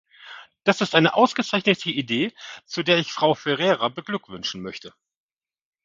Das ist eine ausgezeichnete Idee, zu der ich Frau Ferreira beglückwünschen möchte.